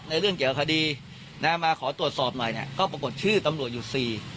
เรื่องเกี่ยวคดีนะมาขอตรวจสอบหน่อยเนี่ยก็ปรากฏชื่อตำรวจอยู่สี่